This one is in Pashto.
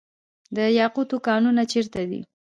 د یاقوتو کانونه چیرته دي؟